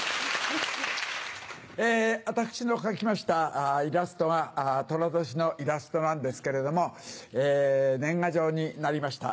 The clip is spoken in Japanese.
私の描きましたイラストが寅年のイラストなんですけれども年賀状になりました。